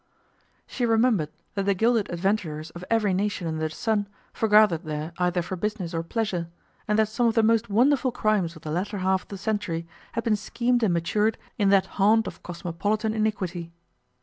She remembered that the gilded adventurers of every nation under the sun forgathered there either for business or pleasure, and that some of the most wonderful crimes of the latter half of the century had been schemed and matured in that haunt of cosmopolitan iniquity.